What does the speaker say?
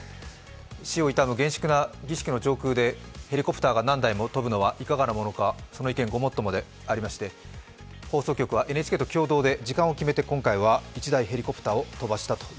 死を悼む厳粛な儀式の上空でヘリコプターが何台も飛ぶのはいかがなものか、その意見、ごもっともでありまして放送局はＮＨＫと共同で時間を決めて今回は１台のヘリコプターを飛ばしました。